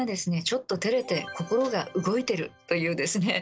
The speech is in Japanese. ちょっとてれて心が動いてる！というですね